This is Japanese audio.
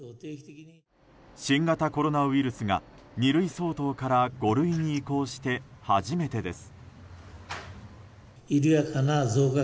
新型コロナウイルスが２類相当から５類に移行して初めてです。